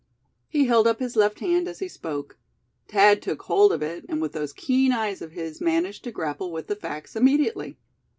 He held up his left hand as he spoke. Thad took hold of it, and with those keen eyes of his, managed to grapple with the facts immediately.